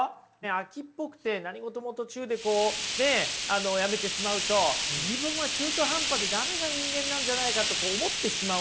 飽きっぽくて何事も途中でこうねやめてしまうと自分は中途半端で駄目な人間なんじゃないかって思ってしまうんですよね。